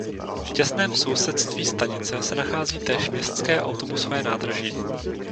V těsném sousedství stanice se nachází též městské autobusové nádraží.